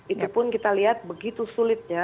itu pun kita lihat begitu sulitnya